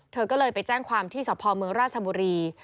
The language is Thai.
เธอก็เลยไปแจ้งความที่สพเมืองราชบุรี